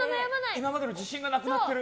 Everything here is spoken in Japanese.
今までの自信がなくなってる。